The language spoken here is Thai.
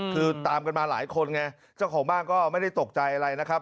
คือตามกันมาหลายคนไงเจ้าของบ้านก็ไม่ได้ตกใจอะไรนะครับ